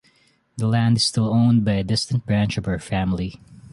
The land is still owned by a distant branch of her family.